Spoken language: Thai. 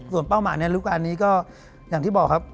ส่วนเป้าหมายในลูกอันนี้ก็อย่างที่บอกครับ